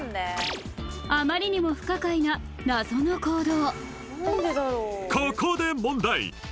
あまりにも不可解な謎の行動